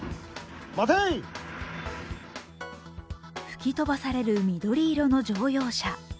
吹き飛ばされる緑色の乗用車。